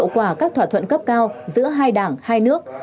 quả các thỏa thuận cấp cao giữa hai đảng hai nước